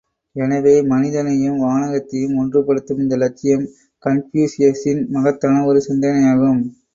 எனவே, மனிதனையும், வானகத்தையும் ஒன்றுபடுத்தும் இந்த லட்சியம் கன்பூசியசின் மகத்தான் ஒரு சிந்தனையாகும்.